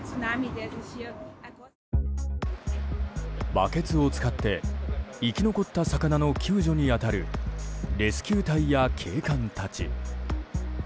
バケツを使って生き残った魚の救助に当たるレスキュー隊や警官たち。